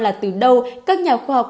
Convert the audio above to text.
là từ đâu các nhà khoa học